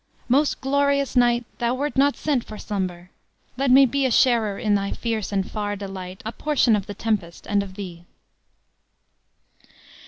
"Most glorious night! Thou wert not sent for slumber! Let me be A sharer in thy fierce and far delight, A portion of the tempest and of thee!"